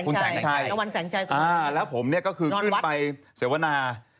น้องวันแสงไชยส่วนผมคือแล้วผมนี่ก็คือขึ้นไปเสียวนา